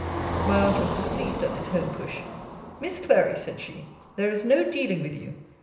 My aunt was displeased at this home push. Miss Clary, said she, there is no dealing with you.